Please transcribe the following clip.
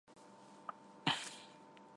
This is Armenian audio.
Ռասուլանն ուներ հին հայկական գերեզմանոց։